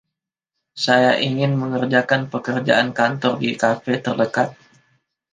saya ingin mengerjakan pekerjaan kantor di kafe terdekat